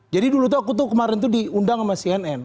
dulu tuh aku tuh kemarin tuh diundang sama cnn